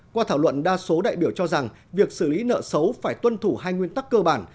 qua thảo luận đa số đại biểu cho rằng việc xử lý nợ xấu phải tuân thủ hai nguyên tắc cơ bản